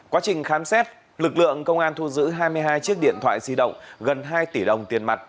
quá trình khám xét lực lượng công an thu giữ hai mươi hai chiếc điện thoại di động gần hai tỷ đồng tiền mặt